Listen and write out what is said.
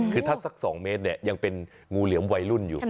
คือถ้าสัก๒เมตรเนี่ยยังเป็นงูเหลือมวัยรุ่นอยู่